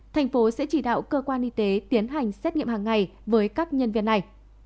thành phố sẽ chỉ đạo cơ quan y tế tiến hành xét nghiệm hàng ngày với các nhân viên này